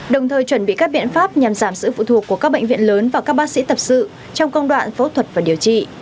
đồng thời chuẩn bị các biện pháp nhằm giảm sự phụ thuộc của các bệnh viện lớn và các bác sĩ tập sự trong công đoạn phẫu thuật và điều trị